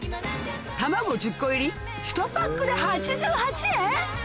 卵１０個入り１パックで８８円